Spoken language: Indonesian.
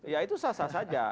ya itu sah sah saja